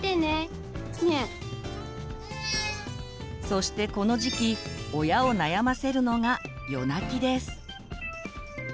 そしてこの時期親を悩ませるのが夜泣きです。